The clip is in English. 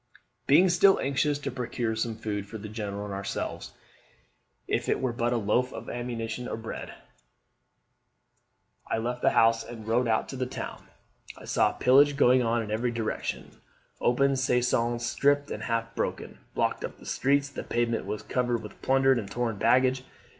"Being still anxious to procure some food for the General and ourselves, if it were but a loaf of ammunition bread, I left the house and rode out into the town. I saw pillage going on in every direction: open caissons, stripped and half broken, blocked up the streets. The pavement was covered with plundered and torn baggage.